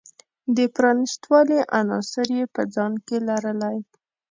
د پرانیست والي عناصر یې په ځان کې لرلی.